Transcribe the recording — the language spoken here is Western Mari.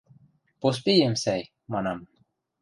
«Поспеем сӓй», – манам.